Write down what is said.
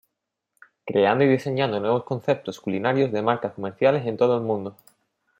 Creando y diseñando nuevos conceptos culinarios de marcas comerciales en todo el mundo.